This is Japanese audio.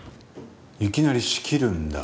いきなり仕切るんだ。